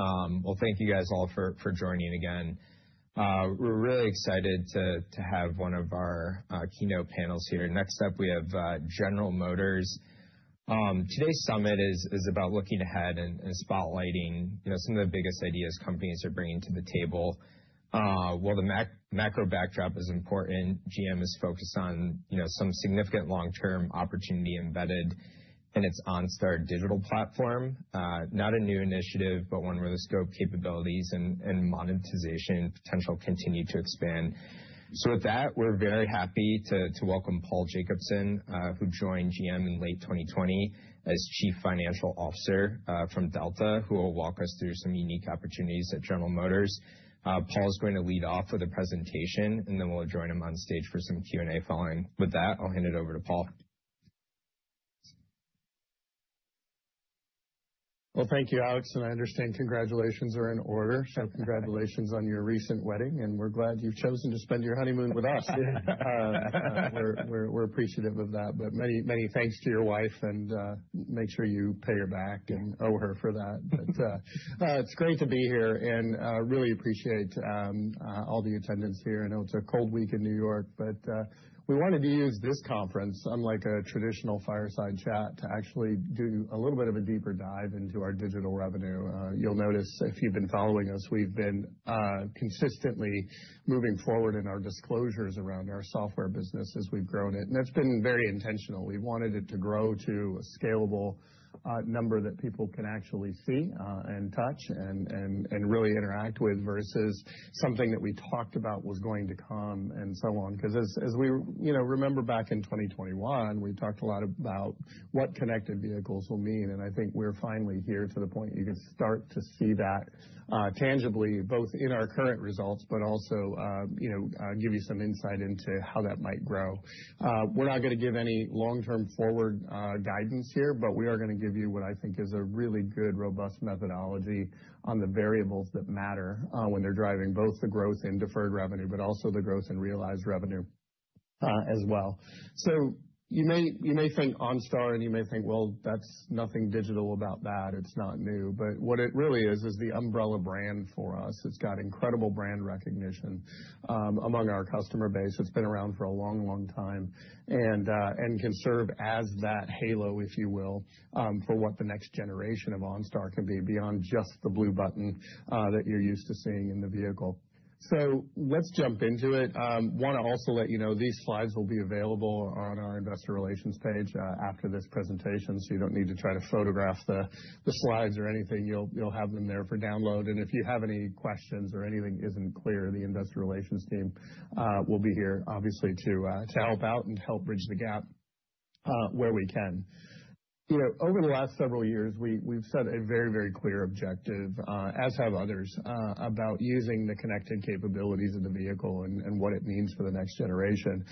Well, thank you guys all for joining again. We're really excited to have one of our keynote panels here. Next up, we have General Motors. Today's summit is about looking ahead and spotlighting, you know, some of the biggest ideas companies are bringing to the table. While the macro backdrop is important, GM is focused on, you know, some significant long-term opportunity embedded in its OnStar digital platform. Not a new initiative, but one where the scope, capabilities and monetization potential continue to expand. With that, we're very happy to welcome Paul Jacobson, who joined GM in late 2020 as Chief Financial Officer, from Delta, who will walk us through some unique opportunities at General Motors. Paul's going to lead off with a presentation, and then we'll join him on stage for some Q&A following. With that, I'll hand it over to Paul. Thank you, Alex, and I understand congratulations are in order, so congratulations on your recent wedding, and we're glad you've chosen to spend your honeymoon with us. We're appreciative of that, but many thanks to your wife and make sure you pay her back and owe her for that. It's great to be here and we really appreciate all the attendance here. I know it's a cold week in New York, but we wanted to use this conference, unlike a traditional fireside chat, to actually do a little bit of a deeper dive into our digital revenue. You'll notice, if you've been following us, we've been consistently moving forward in our disclosures around our software business as we've grown it, and that's been very intentional. We wanted it to grow to a scalable number that people can actually see and touch and really interact with versus something that we talked about was going to come and so on. 'Cause as we, you know, remember back in 2021, we talked a lot about what connected vehicles will mean, and I think we're finally here to the point you can start to see that tangibly, both in our current results, but also, you know, give you some insight into how that might grow. We're not gonna give any long-term forward guidance here, but we are gonna give you what I think is a really good, robust methodology on the variables that matter when they're driving both the growth in deferred revenue, but also the growth in realized revenue as well. You may think OnStar, and you may think, well, that's nothing digital about that. It's not new. But what it really is is the umbrella brand for us. It's got incredible brand recognition among our customer base. It's been around for a long, long time, and can serve as that halo, if you will, for what the next generation of OnStar can be beyond just the blue button that you're used to seeing in the vehicle. Let's jump into it. Wanna also let you know, these slides will be available on our investor relations page after this presentation, so you don't need to try to photograph the slides or anything. You'll have them there for download, and if you have any questions or anything isn't clear, the investor relations team will be here, obviously, to help out and help bridge the gap where we can. You know, over the last several years, we've set a very clear objective, as have others, about using the connected capabilities of the vehicle and what it means for the next generation.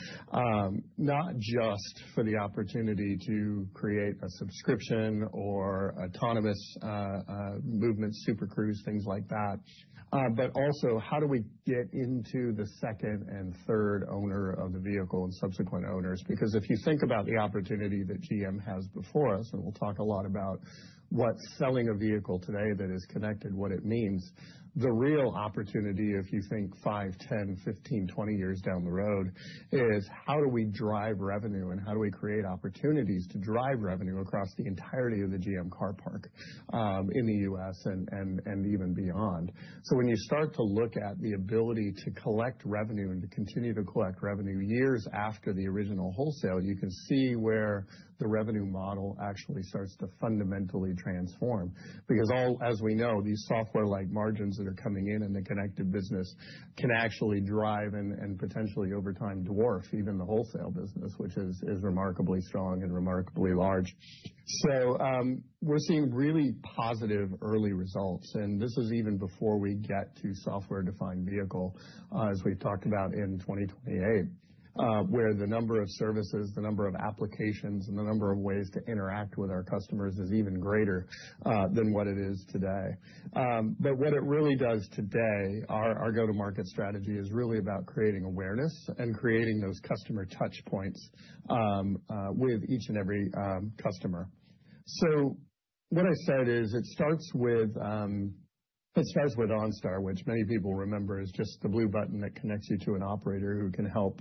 Not just for the opportunity to create a subscription or autonomous movement, Super Cruise, things like that, but also how do we get into the second and third owner of the vehicle and subsequent owners? Because if you think about the opportunity that GM has before us, and we'll talk a lot about what selling a vehicle today that is connected, what it means, the real opportunity, if you think 5, 10, 15, 20 years down the road, is how do we drive revenue and how do we create opportunities to drive revenue across the entirety of the GM car park, in the U.S. and even beyond. When you start to look at the ability to collect revenue and to continue to collect revenue years after the original wholesale, you can see where the revenue model actually starts to fundamentally transform. Because as we know, these software-like margins that are coming in the connected business can actually drive and potentially over time dwarf even the wholesale business, which is remarkably strong and remarkably large. We're seeing really positive early results, and this is even before we get to software-defined vehicle, as we've talked about in 2028, where the number of services, the number of applications, and the number of ways to interact with our customers is even greater than what it is today. What it really does today, our go-to-market strategy is really about creating awareness and creating those customer touchpoints with each and every customer. What I said is it starts with OnStar, which many people remember is just the blue button that connects you to an operator who can help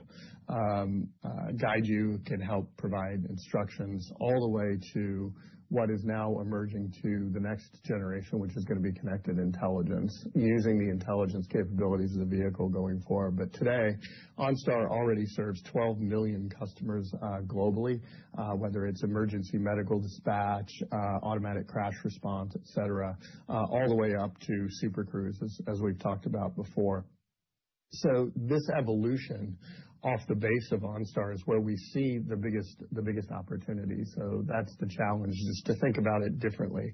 guide you, can help provide instructions, all the way to what is now emerging to the next generation, which is gonna be connected intelligence, using the intelligence capabilities of the vehicle going forward. Today, OnStar already serves 12 million customers globally, whether it's emergency medical dispatch, automatic crash response, etc, all the way up to Super Cruise, as we've talked about before. This evolution off the base of OnStar is where we see the biggest opportunity, so that's the challenge is to think about it differently.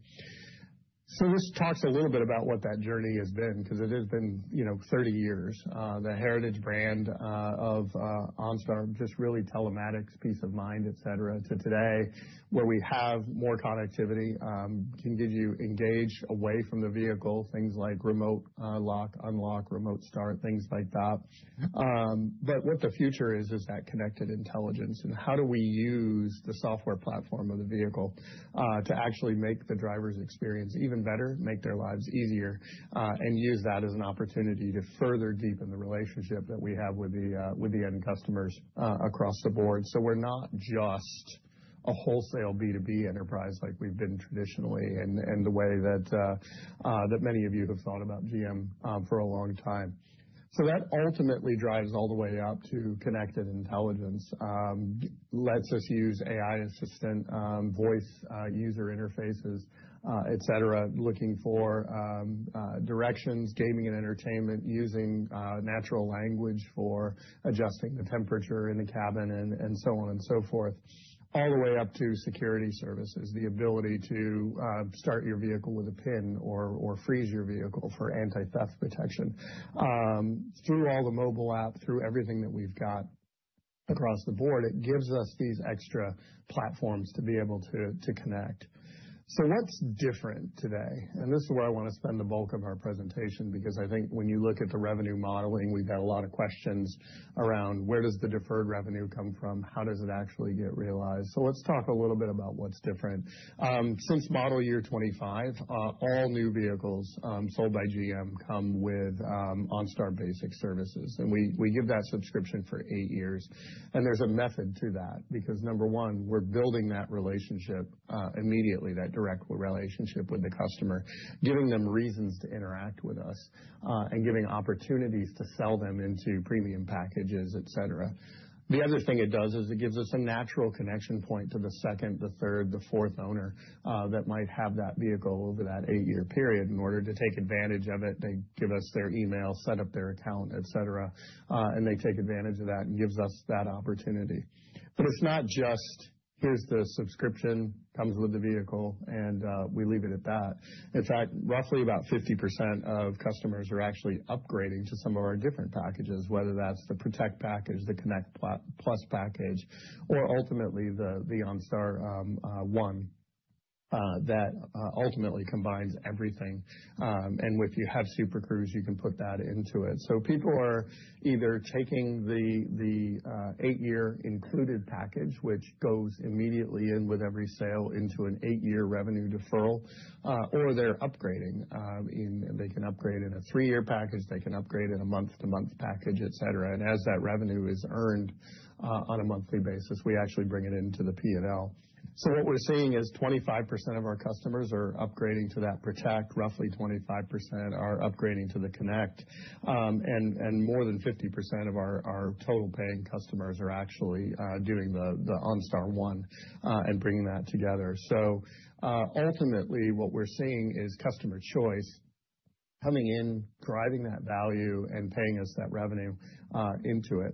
This talks a little bit about what that journey has been, 'cause it has been, you know, 30 years. The heritage brand of OnStar just really telematics, peace of mind, etc, to today, where we have more connectivity, can engage you away from the vehicle, things like remote lock, unlock, remote start, things like that. What the future is that connected intelligence and how do we use the software platform of the vehicle to actually make the driver's experience even better, make their lives easier, and use that as an opportunity to further deepen the relationship that we have with the end customers across the board. We're not just a wholesale B2B enterprise like we've been traditionally and the way that that many of you have thought about GM for a long time. That ultimately drives all the way up to connected intelligence. Lets us use AI assistant, voice user interfaces, etc, looking for directions, gaming and entertainment, using natural language for adjusting the temperature in the cabin and so on and so forth, all the way up to security services, the ability to start your vehicle with a PIN or freeze your vehicle for anti-theft protection. Through all the mobile app, through everything that we've got across the board, it gives us these extra platforms to be able to connect. That's different today, and this is where I wanna spend the bulk of our presentation because I think when you look at the revenue modeling, we've had a lot of questions around where does the deferred revenue come from? How does it actually get realized? Let's talk a little bit about what's different. Since model year 2025, all new vehicles sold by GM come with OnStar basic services, and we give that subscription for eight years. There's a method to that because number one, we're building that relationship immediately, that direct relationship with the customer, giving them reasons to interact with us, and giving opportunities to sell them into premium packages, etc. The other thing it does is it gives us a natural connection point to the second, the third, the fourth owner that might have that vehicle over that eight-year period. In order to take advantage of it, they give us their email, set up their account, etc, and they take advantage of that and gives us that opportunity. It's not just, here's the subscription, comes with the vehicle, and we leave it at that. In fact, roughly about 50% of customers are actually upgrading to some of our different packages, whether that's the Protect package, the Connect Plus package, or ultimately the OnStar One that ultimately combines everything, and if you have Super Cruise, you can put that into it. People are either taking the eight-year included package, which goes immediately in with every sale into an eight-year revenue deferral, or they're upgrading, they can upgrade in a three-year package, they can upgrade in a month-to-month package, etc. As that revenue is earned on a monthly basis, we actually bring it into the P&L. What we're seeing is 25% of our customers are upgrading to that Protect, roughly 25% are upgrading to the Connect, and more than 50% of our total paying customers are actually doing the OnStar One and bringing that together. Ultimately, what we're seeing is customer choice coming in, driving that value, and paying us that revenue into it.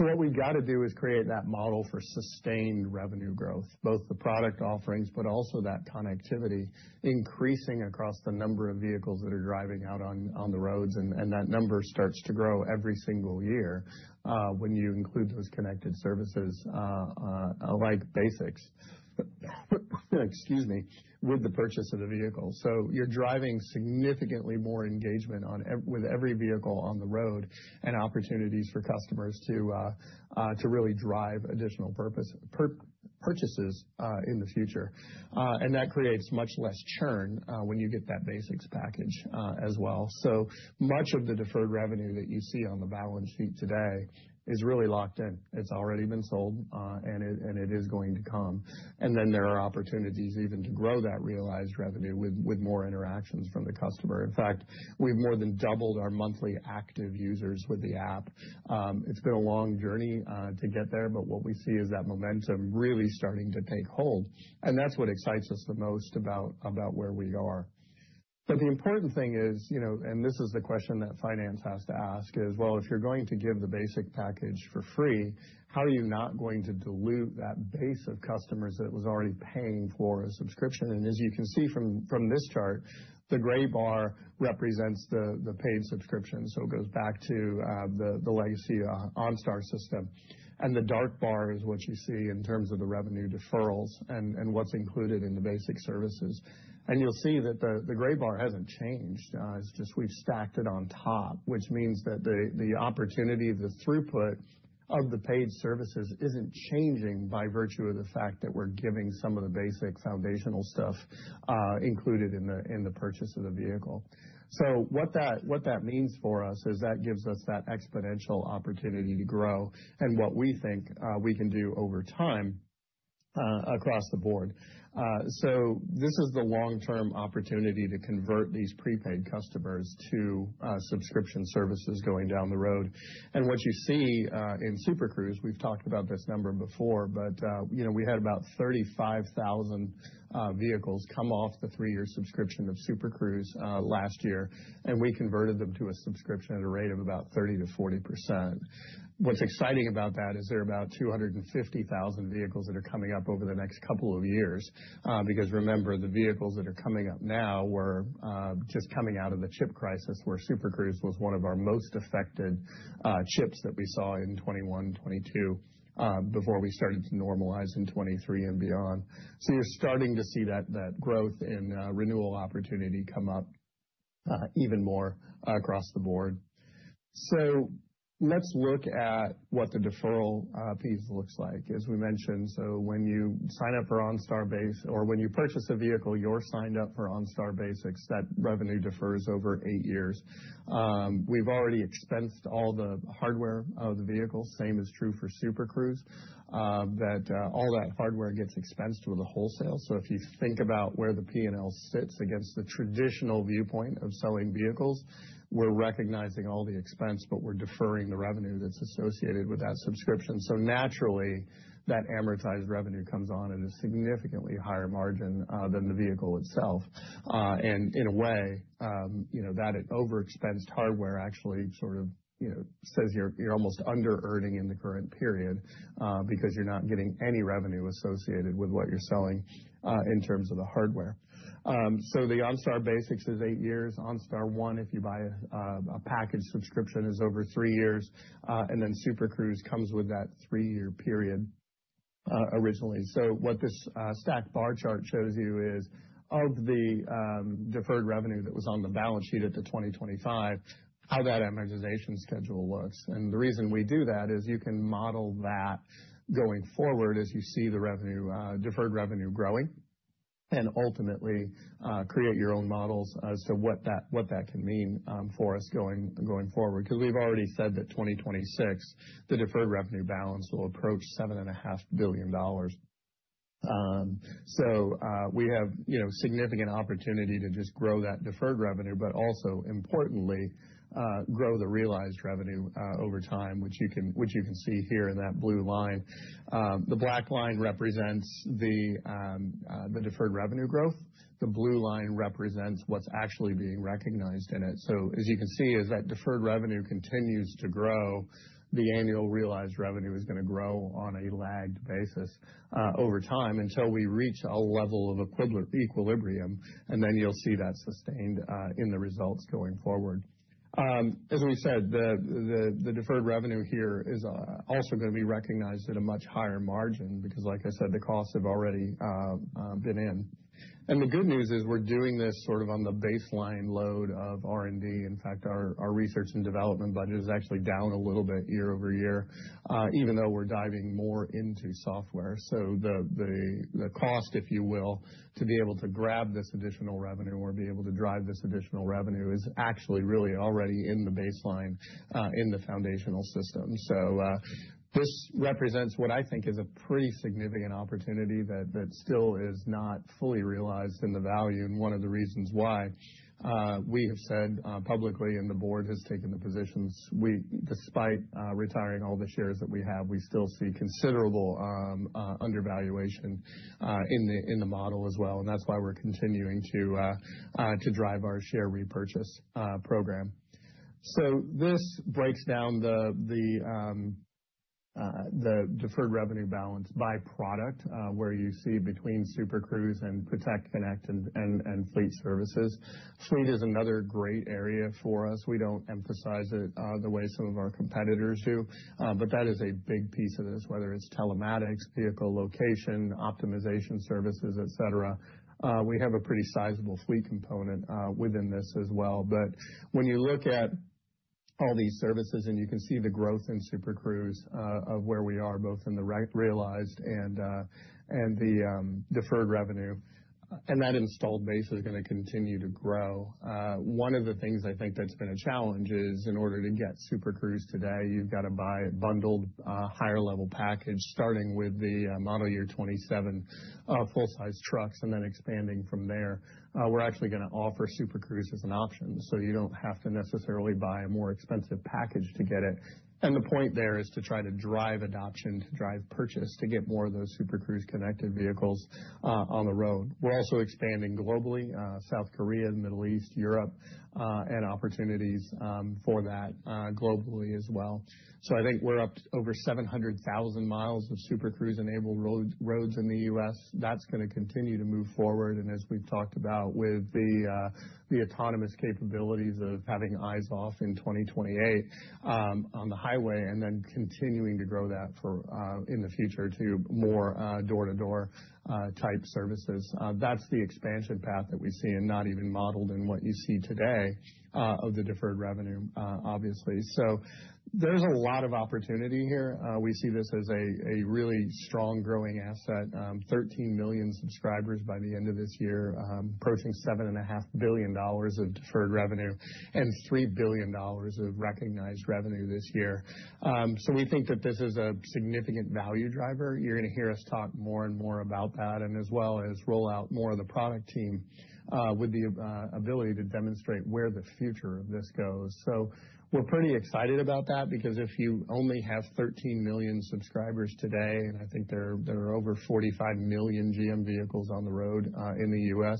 What we've gotta do is create that model for sustained revenue growth, both the product offerings but also that connectivity increasing across the number of vehicles that are driving out on the roads, and that number starts to grow every single year when you include those connected services like Basics, excuse me, with the purchase of the vehicle. You're driving significantly more engagement on EVs with every vehicle on the road and opportunities for customers to really drive additional purchases in the future. That creates much less churn when you get that Basics package as well. Much of the deferred revenue that you see on the balance sheet today is really locked in. It's already been sold, and it is going to come. There are opportunities even to grow that realized revenue with more interactions from the customer. In fact, we've more than doubled our monthly active users with the app. It's been a long journey to get there, but what we see is that momentum really starting to take hold, and that's what excites us the most about where we are. The important thing is, you know, and this is the question that finance has to ask, is, "Well, if you're going to give the Basics package for free, how are you not going to dilute that base of customers that was already paying for a subscription?" As you can see from this chart, the gray bar represents the paid subscription, so it goes back to the legacy OnStar system. The dark bar is what you see in terms of the revenue deferrals and what's included in the basic services. You'll see that the gray bar hasn't changed. It's just we've stacked it on top, which means that the opportunity, the throughput of the paid services isn't changing by virtue of the fact that we're giving some of the basic foundational stuff included in the purchase of the vehicle. What that means for us is that gives us that exponential opportunity to grow and what we think we can do over time, across the board. This is the long-term opportunity to convert these prepaid customers to subscription services going down the road. What you see in Super Cruise, we've talked about this number before, but you know, we had about 35,000 vehicles come off the three-year subscription of Super Cruise last year, and we converted them to a subscription at a rate of about 30%-40%. What's exciting about that is there are about 250,000 vehicles that are coming up over the next couple of years, because remember, the vehicles that are coming up now were just coming out of the chip crisis, where Super Cruise was one of our most affected chips that we saw in 2021 and 2022, before we started to normalize in 2023 and beyond. You're starting to see that growth in renewal opportunity come up even more across the board. Let's look at what the deferral piece looks like. As we mentioned, when you sign up for OnStar Basics or when you purchase a vehicle, you're signed up for OnStar Basics, that revenue defers over eight years. We've already expensed all the hardware of the vehicle. Same is true for Super Cruise, all that hardware gets expensed with a wholesale. If you think about where the P&L sits against the traditional viewpoint of selling vehicles, we're recognizing all the expense, but we're deferring the revenue that's associated with that subscription. Naturally, that amortized revenue comes on at a significantly higher margin than the vehicle itself. In a way, you know, that overexpensed hardware actually sort of, you know, says you're almost underearning in the current period, because you're not getting any revenue associated with what you're selling, in terms of the hardware. The OnStar Basics is eight years. OnStar One, if you buy a package subscription, is over three years. Super Cruise comes with that three-year period, originally. What this stacked bar chart shows you is of the deferred revenue that was on the balance sheet at the 2025, how that amortization schedule looks. The reason we do that is you can model that going forward as you see the revenue, deferred revenue growing, and ultimately create your own models as to what that can mean for us going forward. 'Cause we've already said that 2026, the deferred revenue balance will approach $7.5 billion. We have, you know, significant opportunity to just grow that deferred revenue, but also importantly grow the realized revenue over time, which you can see here in that blue line. The black line represents the deferred revenue growth. The blue line represents what's actually being recognized in it. As you can see, as that deferred revenue continues to grow, the annual realized revenue is gonna grow on a lagged basis over time until we reach a level of equilibrium, and then you'll see that sustained in the results going forward. As we said, the deferred revenue here is also gonna be recognized at a much higher margin because like I said, the costs have already been in. The good news is we're doing this sort of on the baseline load of R&D. In fact, our research and development budget is actually down a little bit year-over-year, even though we're diving more into software. The cost, if you will, to be able to grab this additional revenue or be able to drive this additional revenue is actually really already in the baseline in the foundational system. This represents what I think is a pretty significant opportunity that still is not fully realized in the value. One of the reasons why we have said publicly and the board has taken the positions, despite retiring all the shares that we have, we still see considerable undervaluation in the model as well, and that's why we're continuing to drive our share repurchase program. This breaks down the deferred revenue balance by product, where you see between Super Cruise and Protect, Connect, and Fleet services. Fleet is another great area for us. We don't emphasize it the way some of our competitors do, but that is a big piece of this, whether it's telematics, vehicle location, optimization services, etc. We have a pretty sizable fleet component within this as well. When you look at all these services, and you can see the growth in Super Cruise of where we are both in the realized and the deferred revenue, and that installed base is gonna continue to grow. One of the things I think that's been a challenge is in order to get Super Cruise today, you've got to buy a bundled higher level package starting with the model year 2027 full size trucks and then expanding from there. We're actually gonna offer Super Cruise as an option, so you don't have to necessarily buy a more expensive package to get it. The point there is to try to drive adoption, to drive purchase, to get more of those Super Cruise connected vehicles on the road. We're also expanding globally, South Korea, Middle East, Europe, and opportunities for that globally as well. I think we're up to over 700,000 mi of Super Cruise-enabled roads in the U.S. That's gonna continue to move forward, and as we've talked about with the autonomous capabilities of having eyes off in 2028 on the highway and then continuing to grow that in the future to more door-to-door type services. That's the expansion path that we see and not even modeled in what you see today of the deferred revenue, obviously. There's a lot of opportunity here. We see this as a really strong growing asset, 13 million subscribers by the end of this year, approaching $7.5 billion of deferred revenue and $3 billion of recognized revenue this year. We think that this is a significant value driver. You're gonna hear us talk more and more about that, and as well as roll out more of the product team with the ability to demonstrate where the future of this goes. We're pretty excited about that because if you only have 13 million subscribers today, and I think there are over 45 million GM vehicles on the road in the U.S.,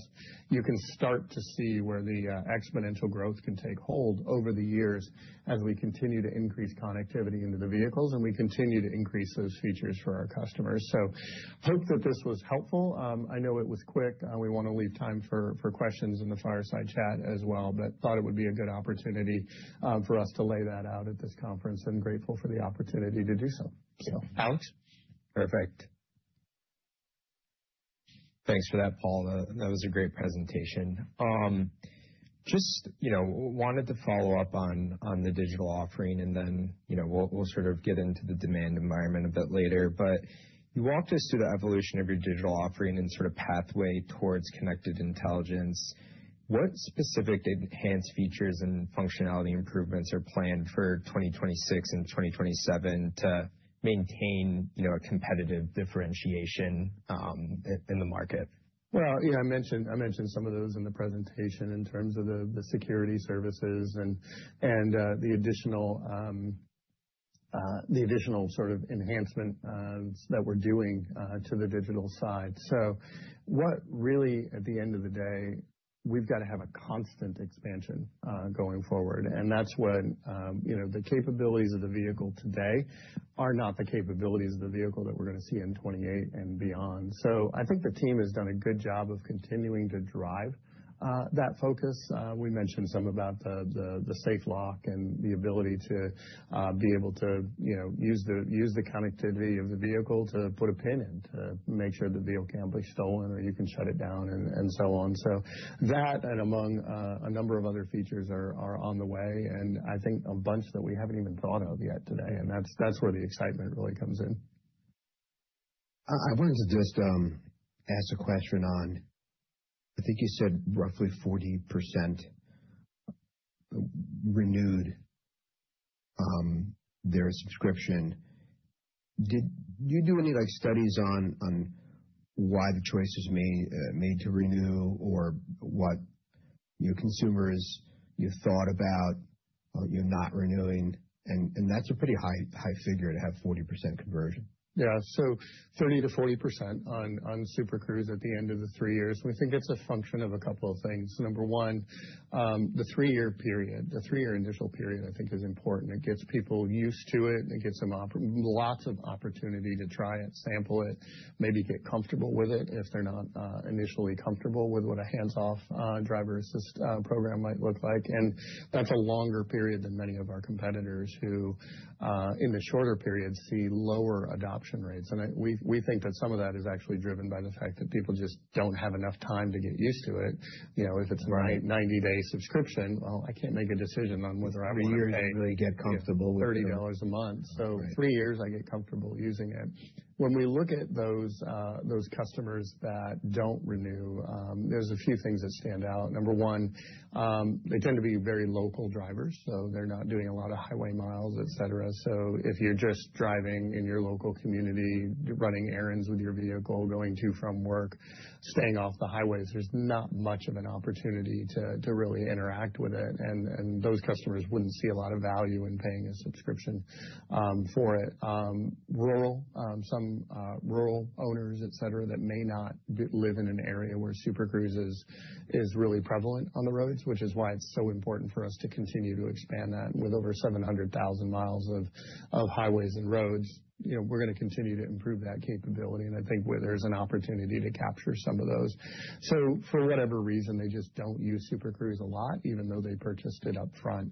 you can start to see where the exponential growth can take hold over the years as we continue to increase connectivity into the vehicles and we continue to increase those features for our customers. Hope that this was helpful. I know it was quick. We wanna leave time for questions in the fireside chat as well, but thought it would be a good opportunity for us to lay that out at this conference, and grateful for the opportunity to do so. Alex? Perfect. Thanks for that, Paul. That was a great presentation. Just, you know, wanted to follow up on the digital offering, and then, you know, we'll sort of get into the demand environment a bit later. You walked us through the evolution of your digital offering and sort of pathway towards connected intelligence. What specific enhanced features and functionality improvements are planned for 2026 and 2027 to maintain, you know, a competitive differentiation in the market? Well, you know, I mentioned some of those in the presentation in terms of the security services and the additional sort of enhancements that we're doing to the digital side. What really at the end of the day, we've gotta have a constant expansion going forward, and that's when you know, the capabilities of the vehicle today are not the capabilities of the vehicle that we're gonna see in 2028 and beyond. I think the team has done a good job of continuing to drive that focus. We mentioned some about the safe lock and the ability to be able to, you know, use the connectivity of the vehicle to put a pin in to make sure the vehicle can't be stolen, or you can shut it down and so on. That and among a number of other features are on the way, and I think a bunch that we haven't even thought of yet today, and that's where the excitement really comes in. I wanted to just ask a question on, I think you said roughly 40% renewed their subscription. Did you do any like studies on why the choice is made to renew or what your consumers thought about not renewing, and that's a pretty high figure to have 40% conversion. Yeah. 30%-40% on Super Cruise at the end of the three years. We think it's a function of a couple of things. Number one, the three-year period. The three-year initial period I think is important. It gets people used to it. It gets them lots of opportunity to try it, sample it, maybe get comfortable with it if they're not initially comfortable with what a hands-off driver assist program might look like. That's a longer period than many of our competitors who in the shorter periods see lower adoption rates. We think that some of that is actually driven by the fact that people just don't have enough time to get used to it. You know, if it's my 90-day subscription, well, I can't make a decision on whether I want to pay $30 a month. Three years to really get comfortable with it. Right. Three years, I get comfortable using it. When we look at those customers that don't renew, there's a few things that stand out. Number one, they tend to be very local drivers, so they're not doing a lot of highway miles, etc. If you're just driving in your local community, running errands with your vehicle, going to from work, staying off the highways, there's not much of an opportunity to really interact with it. Those customers wouldn't see a lot of value in paying a subscription for it. Rural, some rural owners, etc, that may not live in an area where Super Cruise is really prevalent on the roads, which is why it's so important for us to continue to expand that with over 700,000 mi of highways and roads. You know, we're gonna continue to improve that capability, and I think where there's an opportunity to capture some of those. For whatever reason, they just don't use Super Cruise a lot, even though they purchased it upfront.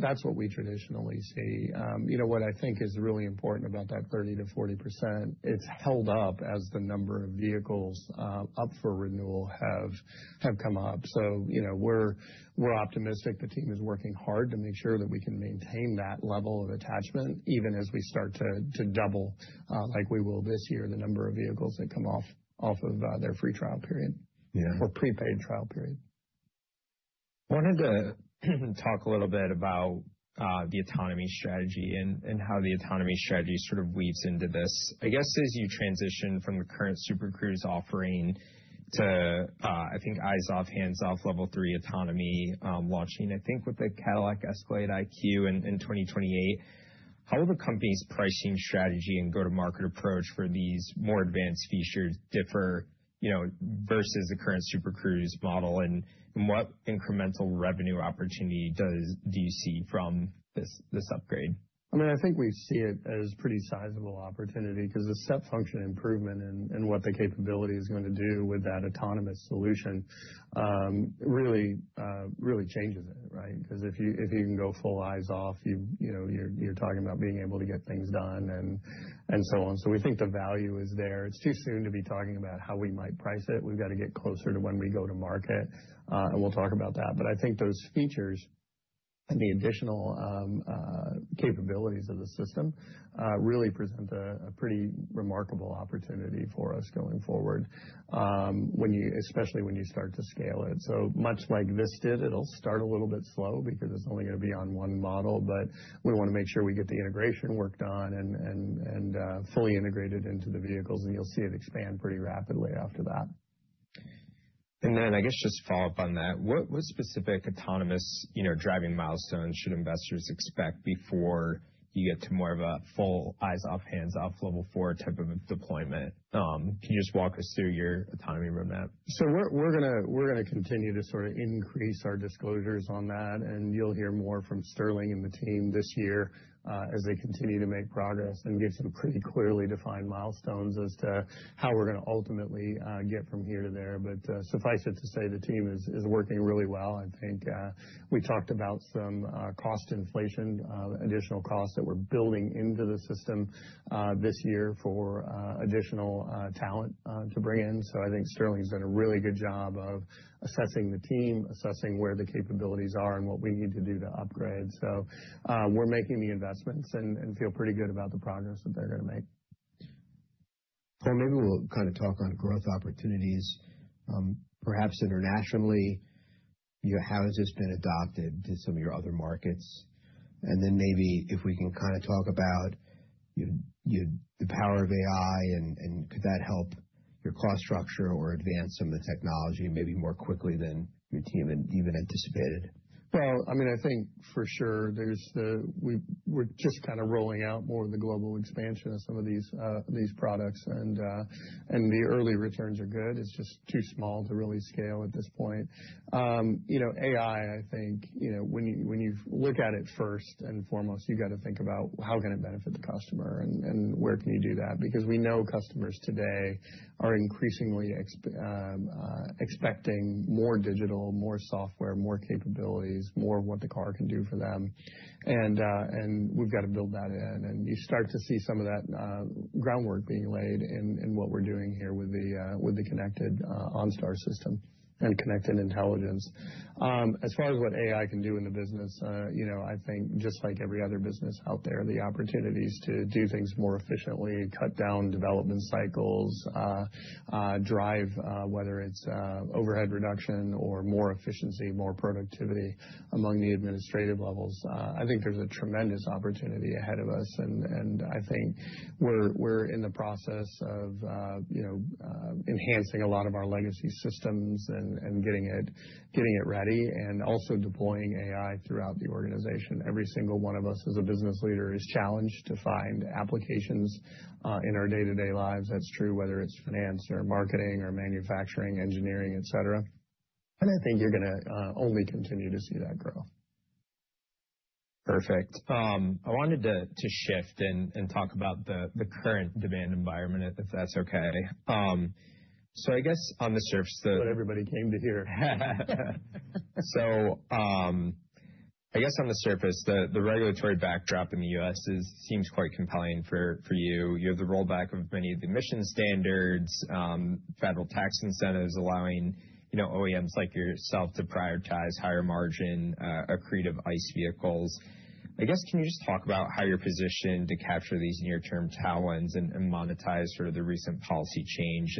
That's what we traditionally see. You know what I think is really important about that 30%-40%, it's held up as the number of vehicles up for renewal have come up. You know, we're optimistic. The team is working hard to make sure that we can maintain that level of attachment even as we start to double, like we will this year, the number of vehicles that come off of their free trial or prepaid trial period. Yeah. I wanted to talk a little bit about the autonomy strategy and how the autonomy strategy sort of weaves into this. I guess as you transition from the current Super Cruise offering to eyes-off, hands-off Level 3 autonomy launching with the Cadillac Escalade IQ in 2028, how will the company's pricing strategy and go-to-market approach for these more advanced features differ, you know, versus the current Super Cruise model, and what incremental revenue opportunity do you see from this upgrade? I mean, I think we see it as pretty sizable opportunity 'cause the step function improvement in what the capability is gonna do with that autonomous solution, really changes it, right? Because if you can go full eyes off, you know, you're talking about being able to get things done and so on. We think the value is there. It's too soon to be talking about how we might price it. We've got to get closer to when we go to market, and we'll talk about that. I think those features and the additional capabilities of the system really present a pretty remarkable opportunity for us going forward. Especially when you start to scale it. Much like this did, it'll start a little bit slow because it's only gonna be on one model, but we wanna make sure we get the integration work done and fully integrated into the vehicles, and you'll see it expand pretty rapidly after that. I guess just to follow up on that, what specific autonomous, you know, driving milestones should investors expect before you get to more of a full eyes-off, hands-off Level 4 type of deployment? Can you just walk us through your autonomy roadmap? We're gonna continue to sort of increase our disclosures on that, and you'll hear more from Sterling and the team this year as they continue to make progress and give some pretty clearly defined milestones as to how we're gonna ultimately get from here to there. Suffice it to say, the team is working really well. I think we talked about some cost inflation, additional costs that we're building into the system this year for additional talent to bring in. I think Sterling's done a really good job of assessing the team, assessing where the capabilities are and what we need to do to upgrade. We're making the investments and feel pretty good about the progress that they're gonna make. Maybe we'll kind of talk on growth opportunities, perhaps internationally. You know, how has this been adopted to some of your other markets? Then maybe if we can kind of talk about your the power of AI and could that help your cost structure or advance some of the technology maybe more quickly than your team even anticipated? Well, I mean, I think for sure we're just kind of rolling out more of the global expansion of some of these products. The early returns are good. It's just too small to really scale at this point. You know, AI, I think, you know, when you look at it first and foremost, you got to think about how can it benefit the customer and where can you do that? Because we know customers today are increasingly expecting more digital, more software, more capabilities, more of what the car can do for them. We've got to build that in. You start to see some of that groundwork being laid in what we're doing here with the connected OnStar system and connected intelligence. As far as what AI can do in the business, you know, I think just like every other business out there, the opportunities to do things more efficiently, cut down development cycles, drive whether it's overhead reduction or more efficiency, more productivity among the administrative levels, I think there's a tremendous opportunity ahead of us. I think we're in the process of, you know, enhancing a lot of our legacy systems and getting it ready and also deploying AI throughout the organization. Every single one of us as a business leader is challenged to find applications in our day-to-day lives. That's true, whether it's finance or marketing or manufacturing, engineering, etc. I think you're gonna only continue to see that grow. Perfect. I wanted to shift and talk about the current demand environment, if that's okay. I guess on the surface the- What everybody came to hear. I guess on the surface, the regulatory backdrop in the U.S. seems quite compelling for you. You have the rollback of many of the emission standards, federal tax incentives allowing, you know, OEMs like yourself to prioritize higher margin, accretive ICE vehicles. I guess, can you just talk about how you're positioned to capture these near-term tailwinds and monetize sort of the recent policy change?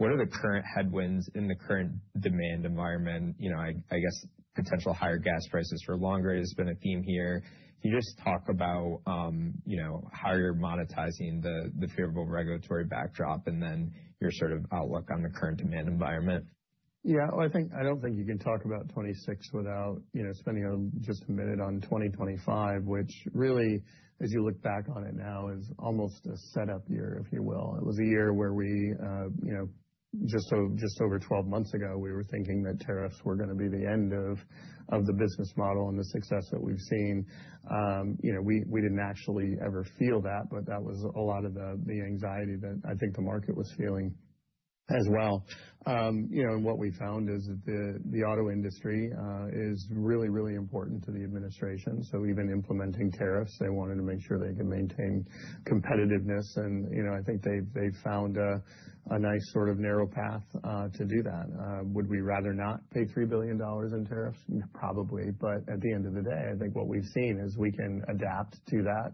What are the current headwinds in the current demand environment? You know, I guess potential higher gas prices for longer has been a theme here. Can you just talk about, you know, how you're monetizing the favorable regulatory backdrop and then your sort of outlook on the current demand environment? Yeah. Well, I don't think you can talk about 2026 without, you know, spending just a minute on 2025, which really, as you look back on it now, is almost a setup year, if you will. It was a year where we, you know, just over 12 months ago, we were thinking that tariffs were gonna be the end of the business model and the success that we've seen. You know, what we found is that the auto industry is really, really important to the administration. Even implementing tariffs, they wanted to make sure they can maintain competitiveness and, you know, I think they've found a nice sort of narrow path to do that. Would we rather not pay $3 billion in tariffs? Probably. At the end of the day, I think what we've seen is we can adapt to that.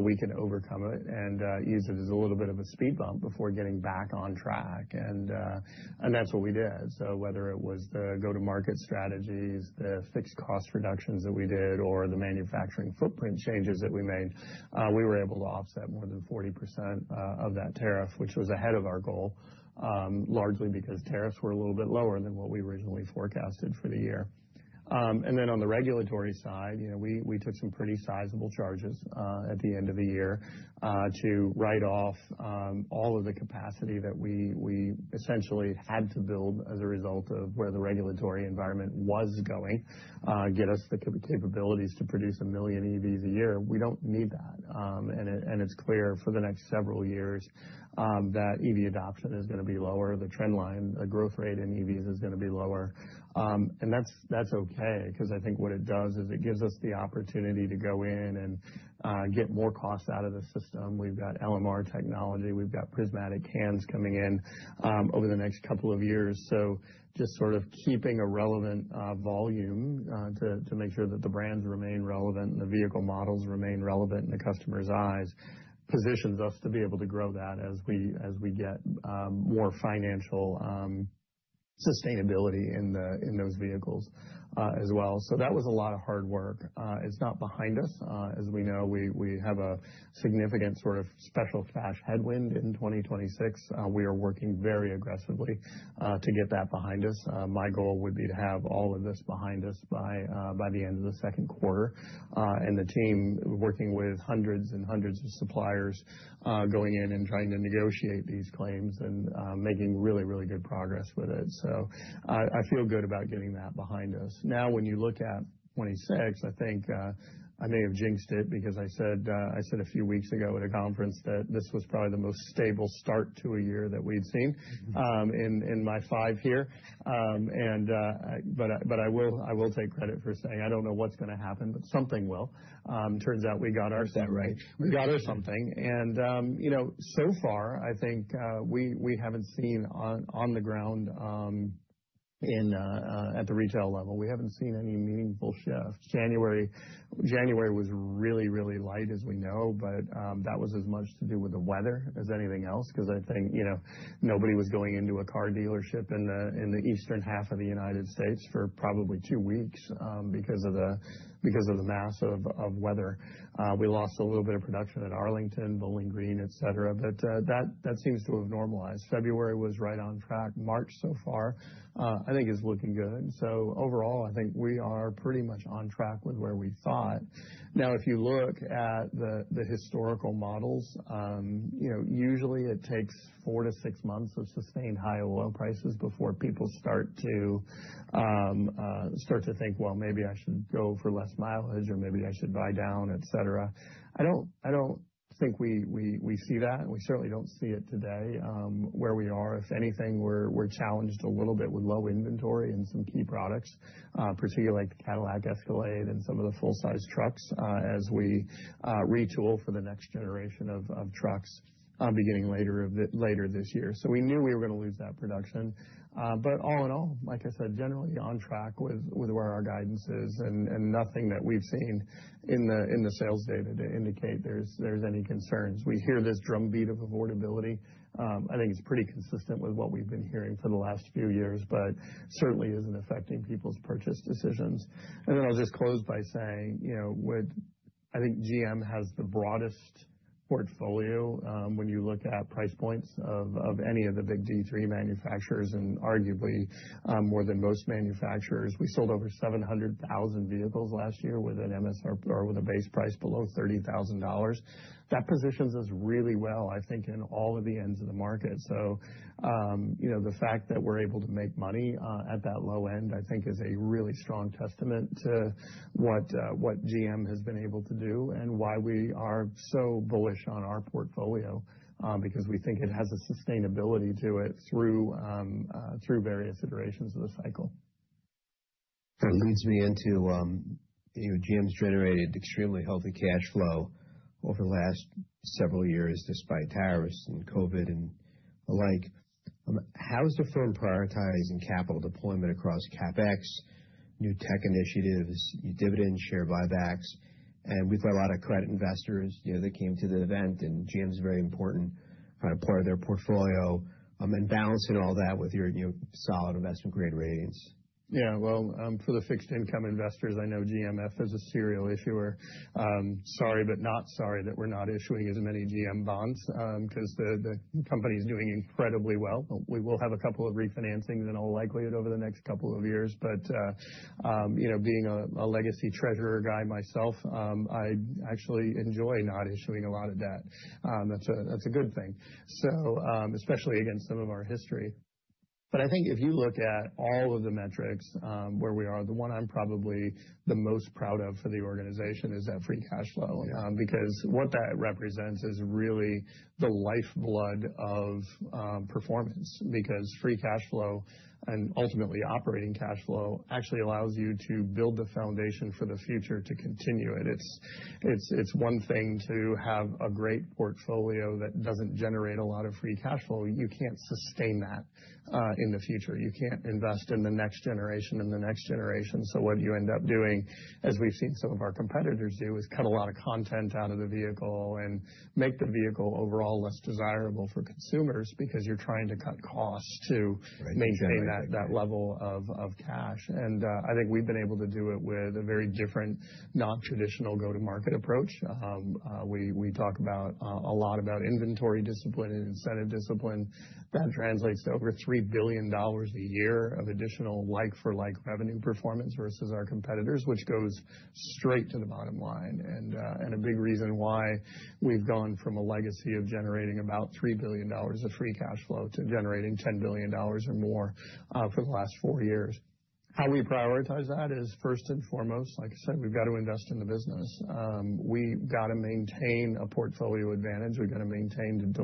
We can overcome it and use it as a little bit of a speed bump before getting back on track. That's what we did. Whether it was the go-to-market strategies, the fixed cost reductions that we did, or the manufacturing footprint changes that we made, we were able to offset more than 40% of that tariff, which was ahead of our goal, largely because tariffs were a little bit lower than what we originally forecasted for the year. On the regulatory side, you know, we took some pretty sizable charges at the end of the year to write off all of the capacity that we essentially had to build as a result of where the regulatory environment was going to get us the capabilities to produce 1 million EVs a year. We don't need that. It's clear for the next several years that EV adoption is gonna be lower. The trend line, the growth rate in EVs is gonna be lower. That's okay, 'cause I think what it does is it gives us the opportunity to go in and get more cost out of the system. We've got LMR technology, we've got prismatic cells coming in over the next couple of years. Just sort of keeping a relevant volume to make sure that the brands remain relevant and the vehicle models remain relevant in the customer's eyes positions us to be able to grow that as we get more financial sustainability in those vehicles as well. That was a lot of hard work. It's not behind us. As we know, we have a significant sort of special cash headwind in 2026. We are working very aggressively to get that behind us. My goal would be to have all of this behind us by the end of the second quarter. The team working with hundreds and hundreds of suppliers going in and trying to negotiate these claims and making really, really good progress with it. I feel good about getting that behind us. Now, when you look at 2026, I think I may have jinxed it because I said a few weeks ago at a conference that this was probably the most stable start to a year that we'd seen in my five here. But I will take credit for saying I don't know what's gonna happen, but something will. Turns out we got our something right. We got our something. You know, so far, I think we haven't seen on the ground at the retail level, we haven't seen any meaningful shift. January was really, really light, as we know, but that was as much to do with the weather as anything else, 'cause I think, you know, nobody was going into a car dealership in the eastern half of the United States for probably two weeks because of the massive weather. We lost a little bit of production at Arlington, Bowling Green, etc, but that seems to have normalized. February was right on track. March so far, I think is looking good. Overall, I think we are pretty much on track with where we thought. Now if you look at the historical models, you know, usually it takes 4-6 months of sustained high oil prices before people start to think, "Well, maybe I should go for less mileage," or, "Maybe I should buy down," etc. I don't think we see that, and we certainly don't see it today, where we are. If anything, we're challenged a little bit with low inventory in some key products, particularly like the Cadillac Escalade and some of the full-sized trucks, as we retool for the next generation of trucks, beginning later this year. So we knew we were gonna lose that production. All in all, like I said, generally on track with where our guidance is, and nothing that we've seen in the sales data to indicate there's any concerns. We hear this drumbeat of affordability. I think it's pretty consistent with what we've been hearing for the last few years, but certainly isn't affecting people's purchase decisions. Then I'll just close by saying, you know, I think GM has the broadest portfolio when you look at price points of any of the big D3 manufacturers, and arguably more than most manufacturers. We sold over 700,000 vehicles last year with an MSRP or with a base price below $30,000. That positions us really well, I think, in all of the ends of the market. You know, the fact that we're able to make money at that low end, I think is a really strong testament to what GM has been able to do and why we are so bullish on our portfolio, because we think it has a sustainability to it through various iterations of the cycle. That leads me into, you know, GM's generated extremely healthy cash flow over the last several years, despite tariffs and COVID and the like. How is the firm prioritizing capital deployment across CapEx, new tech initiatives, dividend share buybacks? We've got a lot of credit investors, you know, that came to the event, and GM's a very important part of their portfolio, and balancing all that with your, you know, solid investment-grade ratings. Yeah. Well, for the fixed income investors, I know GMF is a serial issuer. Sorry, but not sorry that we're not issuing as many GM bonds, 'cause the company's doing incredibly well. We will have a couple of refinancings in all likelihood over the next couple of years. You know, being a legacy treasurer guy myself, I actually enjoy not issuing a lot of debt. That's a good thing. Especially against some of our history. I think if you look at all of the metrics, where we are, the one I'm probably the most proud of for the organization is that free cash flow. Yeah. Because what that represents is really the lifeblood of performance. Because free cash flow and ultimately operating cash flow actually allows you to build the foundation for the future to continue it. It's one thing to have a great portfolio that doesn't generate a lot of free cash flow. You can't sustain that in the future. You can't invest in the next generation and the next generation. What you end up doing, as we've seen some of our competitors do, is cut a lot of content out of the vehicle and make the vehicle overall less desirable for consumers because you're trying to cut costs to maintain that level of cash. I think we've been able to do it with a very different, non-traditional go-to-market approach. We talk about a lot about inventory discipline and incentive discipline. That translates to over $3 billion a year of additional like-for-like revenue performance versus our competitors, which goes straight to the bottom line, and a big reason why we've gone from a legacy of generating about $3 billion of free cash flow to generating $10 billion or more for the last four years. How we prioritize that is first and foremost, like I said, we've got to invest in the business. We've got to maintain a portfolio advantage. We've got to maintain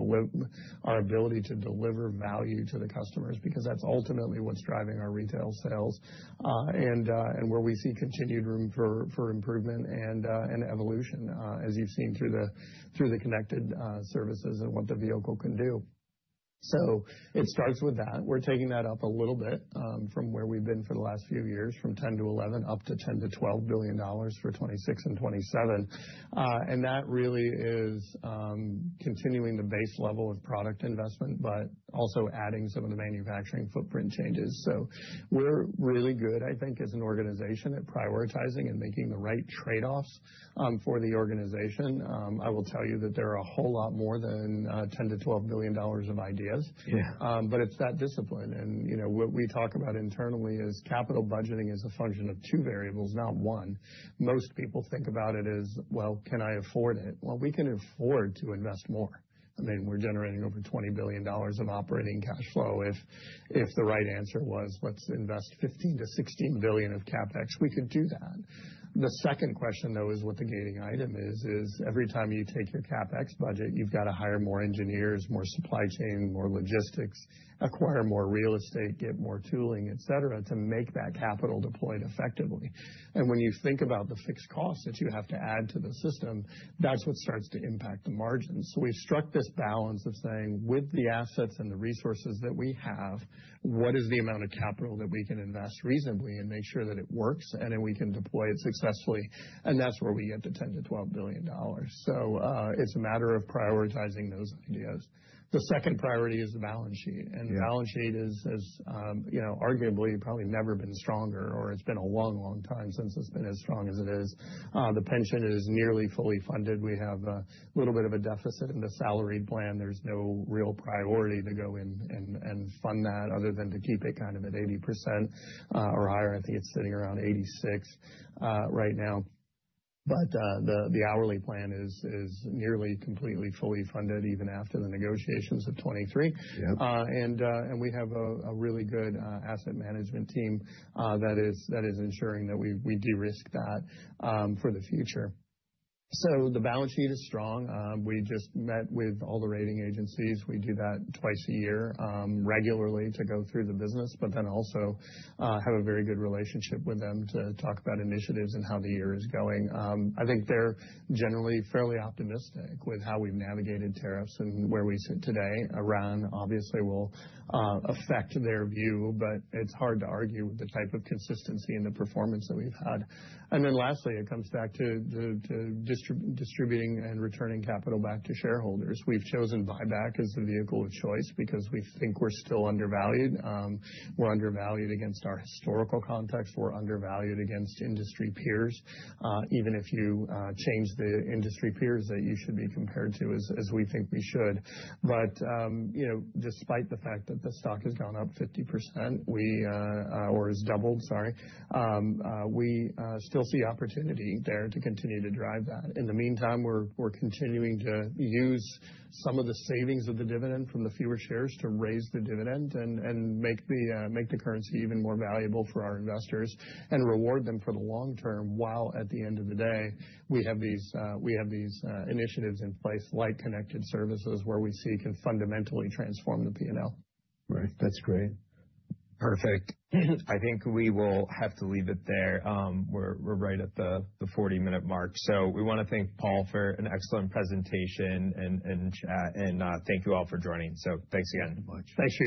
our ability to deliver value to the customers, because that's ultimately what's driving our retail sales, and where we see continued room for improvement and evolution, as you've seen through the connected services and what the vehicle can do. It starts with that. We're taking that up a little bit, from where we've been for the last few years, from $10 billion-$11 billion, up to $10 billion-$12 billion for 2026 and 2027. That really is continuing the base level of product investment, but also adding some of the manufacturing footprint changes. We're really good, I think, as an organization at prioritizing and making the right trade-offs for the organization. I will tell you that there are a whole lot more than $10 billion-$12 billion of ideas. Yeah. It's that discipline. You know, what we talk about internally is capital budgeting is a function of two variables, not one. Most people think about it as, well, can I afford it? Well, we can afford to invest more. I mean, we're generating over $20 billion of operating cash flow. If the right answer was, let's invest $15 billion-$16 billion of CapEx, we could do that. The second question, though, is what the gating item is every time you take your CapEx budget, you've got to hire more engineers, more supply chain, more logistics, acquire more real estate, get more tooling, etc, to make that capital deployed effectively. When you think about the fixed costs that you have to add to the system, that's what starts to impact the margins. We've struck this balance of saying with the assets and the resources that we have, what is the amount of capital that we can invest reasonably and make sure that it works and that we can deploy it successfully? That's where we get the $10 billion-$12 billion. It's a matter of prioritizing those ideas. The second priority is the balance sheet. Yeah. The balance sheet is, you know, arguably probably never been stronger, or it's been a long time since it's been as strong as it is. The pension is nearly fully funded. We have a little bit of a deficit in the salary plan. There's no real priority to go in and fund that other than to keep it kind of at 80%, or higher. I think it's sitting around 86% right now. The hourly plan is nearly completely fully funded even after the negotiations of 2023. We have a really good asset management team that is ensuring that we de-risk that for the future. The balance sheet is strong. We just met with all the rating agencies. We do that twice a year regularly to go through the business, but then also have a very good relationship with them to talk about initiatives and how the year is going. I think they're generally fairly optimistic with how we've navigated tariffs and where we sit today. Iran obviously will affect their view, but it's hard to argue with the type of consistency and the performance that we've had. Lastly, it comes back to distributing and returning capital back to shareholders. We've chosen buyback as the vehicle of choice because we think we're still undervalued. We're undervalued against our historical context. We're undervalued against industry peers, even if you change the industry peers that you should be compared to, as we think we should. You know, despite the fact that the stock has gone up 50% or has doubled, sorry, we still see opportunity there to continue to drive that. In the meantime, we're continuing to use some of the savings of the dividend from the fewer shares to raise the dividend and make the currency even more valuable for our investors and reward them for the long term, while at the end of the day, we have these initiatives in place like connected services, where we seek and fundamentally transform the P&L. Right, that's great. Perfect. I think we will have to leave it there. We're right at the 40-minute mark. We wanna thank Paul for an excellent presentation and thank you all for joining. Thanks again. Thank you very much. Thanks, Alex.